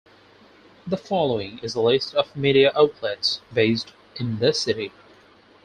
The following is a list of media outlets based in the city.